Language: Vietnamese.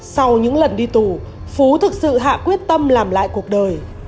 sau những lần đi tù phú thực sự hạ quyết tâm làm lại cuộc đời